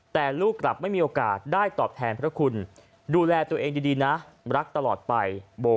แต่ลูกกลับไม่มีโอกาสได้ตอบแทนพระคุณดูแลตัวเองดีนะรักตลอดไป